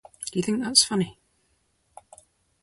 Do you think that is funny?